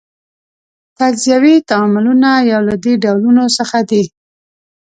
تجزیوي تعاملونه یو له دې ډولونو څخه دي.